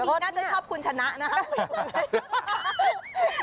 พี่บีน่าจะชอบคุณชนะนะคะ